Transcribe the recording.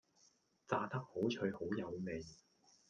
炸得好脆好有味